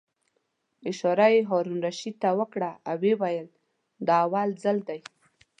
اشاره یې هارون الرشید ته وکړه او ویې ویل: دا اول ځل دی.